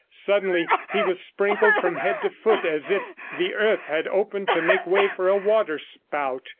Suddenly he was sprinkled from head to foot, as if the earth had opened to make way for a waterspout.